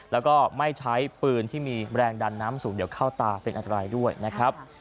แล้วก็ไม่ใช้ปืนที่มีแรงดันน้ำสูงเดี๋ยวเข้าตาเป็นอันตรายด้วยนะครับ